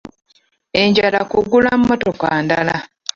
Enjala kugula mmotoka ndala.